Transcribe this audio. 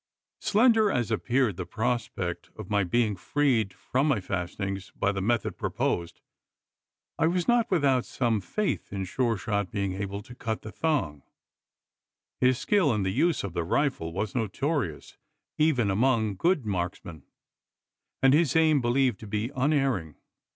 Slender as appeared the prospect of my being freed from my fastenings, by the method proposed, I was not without some faith in Sure shot being able to cut the thong. His skill in the use of the rifle was notorious even among good marksmen and his aim believed to be unerring.